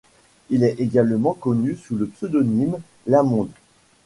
Il est également connu sous le pseudonyme Lamonde.